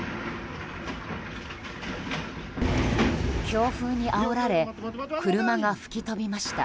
強風にあおられ車が吹き飛びました。